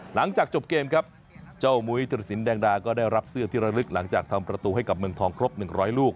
หลังจากจบเกมครับเจ้ามุ้ยธุรสินแดงดาก็ได้รับเสื้อที่ระลึกหลังจากทำประตูให้กับเมืองทองครบ๑๐๐ลูก